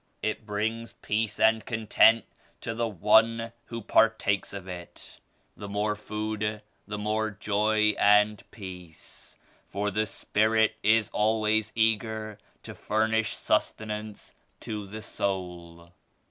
It brings peace and content to the one who partakes of it; the more food the more joy and peace. For the Spirit is always eager to furnish sustenance to the soul."